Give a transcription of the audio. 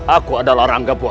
aku adalah ranggabwana